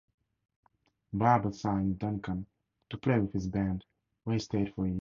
Barber signed Duncan to play with his band where he stayed for a year.